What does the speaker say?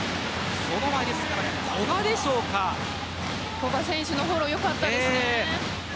古賀選手のフォローがよかったです。